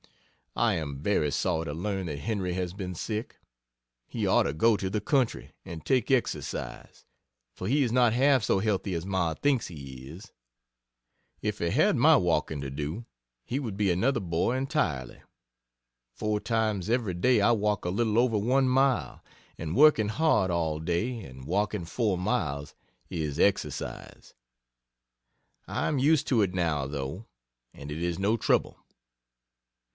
I am very sorry to learn that Henry has been sick. He ought to go to the country and take exercise; for he is not half so healthy as Ma thinks he is. If he had my walking to do, he would be another boy entirely. Four times every day I walk a little over one mile; and working hard all day, and walking four miles, is exercise I am used to it, now, though, and it is no trouble.